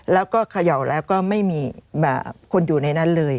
แล้วก็เขย่าแล้วก็ไม่มีคนอยู่ในนั้นเลย